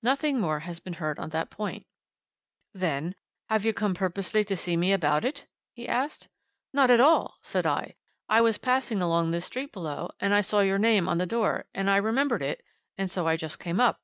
"Nothing more has been heard on that point." "Then have you come purposely to see me about it?" he asked. "Not at all!" said I. "I was passing along this street below, and I saw your name on the door, and I remembered it and so I just came up."